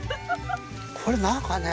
これ何かな？